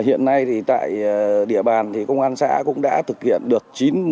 hiện nay thì tại địa bàn thì công an xã cũng đã thực hiện được chín mươi bảy